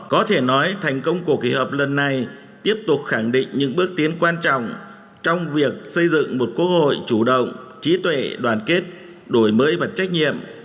có thể nói thành công của kỳ họp lần này tiếp tục khẳng định những bước tiến quan trọng trong việc xây dựng một quốc hội chủ động trí tuệ đoàn kết đổi mới và trách nhiệm